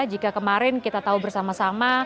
jika kemarin kita tahu bersama sama